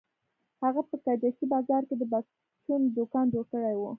هغه په کجکي بازار کښې د پرچون دوکان جوړ کړى و.